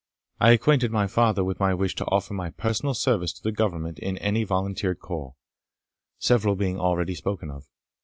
I acquainted my father with my wish to offer my personal service to the Government in any volunteer corps, several being already spoken of.